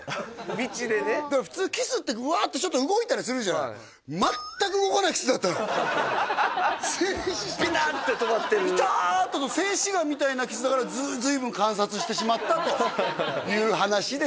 道でね普通キスってうわってちょっと動いたりするじゃん静止してビタッて止まってるビターッと静止画みたいなキスだから随分観察してしまったという話ですよ